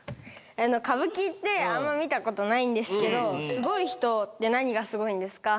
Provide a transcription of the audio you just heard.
歌舞伎ってあんま見たことないんですけどすごい人って何がすごいんですか？